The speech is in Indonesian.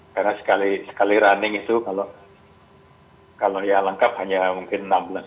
karena sekali running itu kalau ya lengkap hanya mungkin enam belas tes